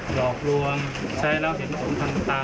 หลอกลวงใช้แล้วเห็นผลทางตา